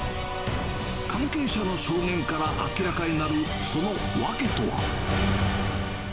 関係者の証言から明らかになるその訳とは。